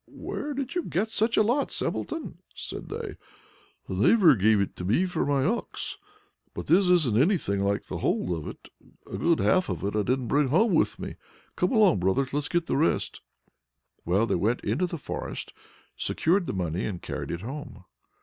"Where did you get such a lot, Simpleton?" said they. "A neighbor gave it me for my ox. But this isn't anything like the whole of it; a good half of it I didn't bring home with me! Come along, brothers, let's get the rest!" Well, they went into the forest, secured the money, and carried it home.